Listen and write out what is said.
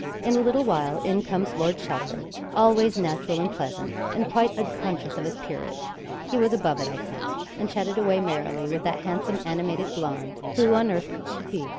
In a little while in comes Lord Chelford, always natural and pleasant, and quite unconscious of his peerage he was above it, I think and chatted away merrily with that handsome animated blonde who on earth, could she be?